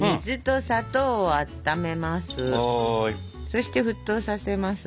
そして沸騰させます。